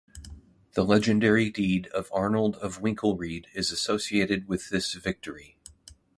The legendary deed of Arnold of Winkelried is associated with this victory.